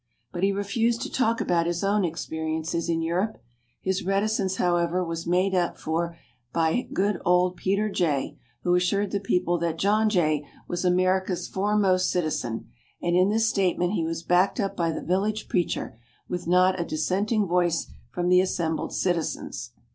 But he refused to talk about his own experiences in Europe. His reticence, however, was made up for by good old Peter Jay, who assured the people that John Jay was America's foremost citizen; and in this statement he was backed up by the village preacher, with not a dissenting voice from the assembled citizens.